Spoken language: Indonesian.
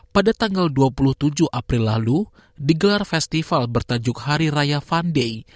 pada tanggal dua puluh tujuh april lalu digelar festival bertajuk hari raya fun day